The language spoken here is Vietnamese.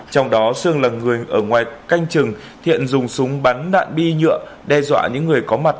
trong đó sương là người ở ngoài canh chừng thiện dùng súng bắn đạn bi nhựa đe dọa những người có mặt